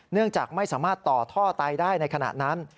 เนื่องจากไม่สามารถต่อท่อไตได้ในขณะนั้น